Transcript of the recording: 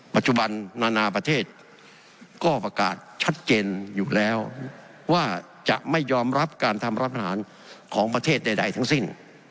ปัจจุบันนานาประเทศก็ประกาศชัดเจนอยู่แล้วว่าจะไม่ยอมรับการทำรัฐประหารของประเทศใดทั้งสิ้น